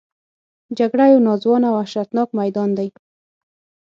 جګړه یو ناځوانه او وحشتناک میدان دی